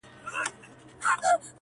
پوليس کار پای ته رسوي او ورو ورو وځي,